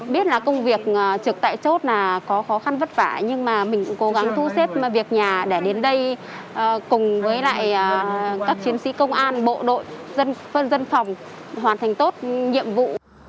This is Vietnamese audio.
biết là công việc trực tại chốt là có khó khăn vất vả nhưng mà mình cũng cố gắng thu xếp việc nhà để đến đây cùng với lại các chiến sĩ công an bộ đội dân quân dân phòng hoàn thành tốt nhiệm vụ